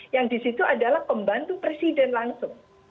yang di situ adalah pembantu presiden langsung